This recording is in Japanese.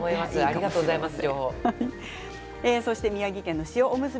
ありがとうございます。